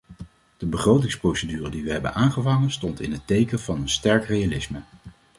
De begrotingsprocedure die we hebben aangevangen stond in het teken van een sterk realisme.